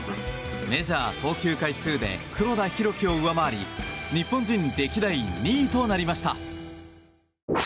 メジャー投球回数で黒田博樹を上回り日本人歴代２位となりました。